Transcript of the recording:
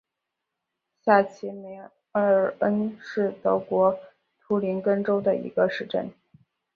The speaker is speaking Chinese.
下齐梅尔恩是德国图林根州的一个市镇。